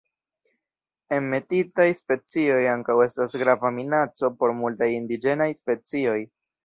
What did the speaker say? Enmetitaj specioj ankaŭ estas grava minaco por multaj indiĝenaj specioj.